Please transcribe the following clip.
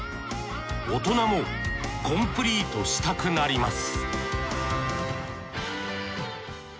大人もコンプリートしたくなります